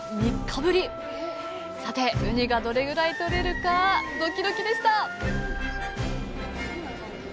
さてウニがどれぐらいとれるかドキドキでした！